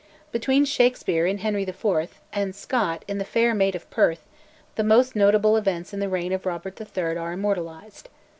Between Shakespeare, in "Henry IV.," and Scott, in 'The Fair Maid of Perth,' the most notable events in the reign of Robert III. are immortalised.